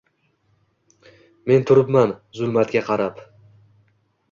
Men turibman zulmatga qarab